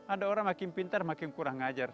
ada orang makin pintar makin kurang ngajar